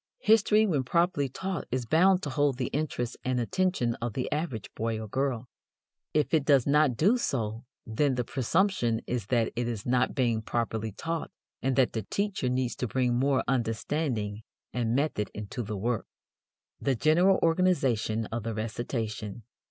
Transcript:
History when properly taught is bound to hold the interest and attention of the average boy or girl. If it does not do so, then the presumption is that it is not being properly taught and that the teacher needs to bring more understanding and method into the work. The General Organization of the Recitation.